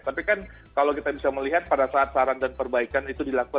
tapi kan kalau kita bisa melihat pada saat saran dan perbaikan itu dilakukan